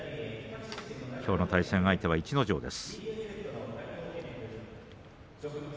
きょうの対戦相手は逸ノ城です。